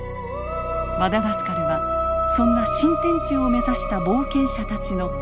マダガスカルはそんな新天地を目指した冒険者たちの箱船なのです。